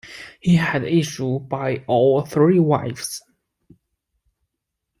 He had issue by all three wives.